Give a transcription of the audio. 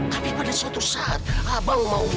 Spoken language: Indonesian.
tapi pada suatu saat abang mau